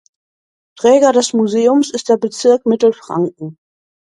Träger des Museums ist der Bezirk Mittelfranken.